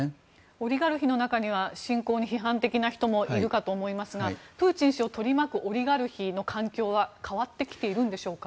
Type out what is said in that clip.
オリガルヒの中には侵攻に批判的な人もいるかと思いますがプーチン氏を取り巻くオリガルヒの環境は変わってきているのでしょうか。